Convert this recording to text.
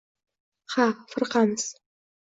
— Ha, firqamiz!